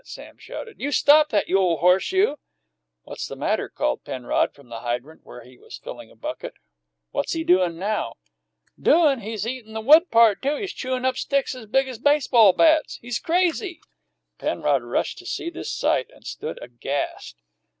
Sam shouted. "You stop that, you ole horse, you!" "What's the matter?" called Penrod from the hydrant, where he was filling a bucket. "What's he doin' now?" "Doin'! He's eatin' the wood part, too! He's chewin' up sticks as big as baseball bats! He's crazy!" Penrod rushed to see this sight, and stood aghast.